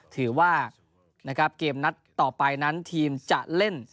ถือว่านะครับเกมนัดต่อไปนั้นทีมจะเล่น